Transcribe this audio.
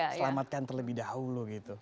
diselamatkan terlebih dahulu gitu